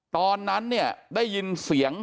ตอนนั้นเนี่ยได้ยินเสียง